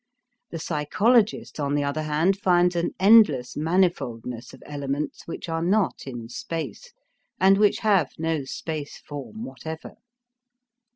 The psychologist, on the other hand, finds an endless manifoldness of elements which are not in space, and which have no space form whatever.